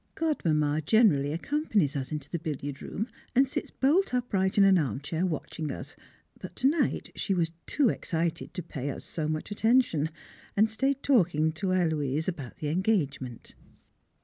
Godmamma generally accompanies us into the billiard room, and sits bolt upright in an armchair watching us, but to night she was too excited to pay us so much attention, and stayed talking to Héloise about the engagement.